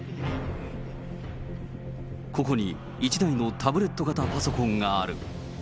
ここに１台のタブレット型パソコンがある。